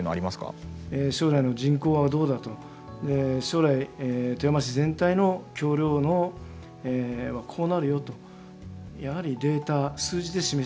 将来の人口はどうだと将来富山市全体の橋りょうはこうなるよとやはりデータ・数字で示していくということがですね